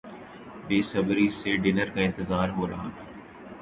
بےصبری سے ڈنر کا انتظار ہورہا تھا